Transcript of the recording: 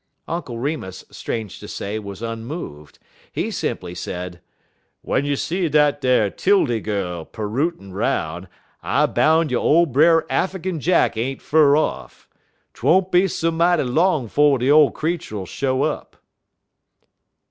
Uncle Remus, strange to say, was unmoved. He simply said: "W'en you see dat ar 'Tildy gal pirootin' 'roun' I boun' you ole Brer Affikin Jack ain't fur off. 'T won't be so mighty long 'fo' de ole creetur'll show up."